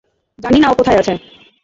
জানি না ও কোথায় আছে।